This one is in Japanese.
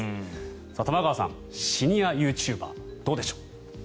玉川さん、シニアユーチューバーどうでしょう？